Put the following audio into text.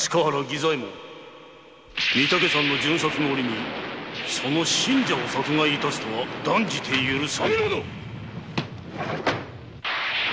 左衛門御岳山の巡察の折にその信者を殺害いたすとは断じて許さぬ。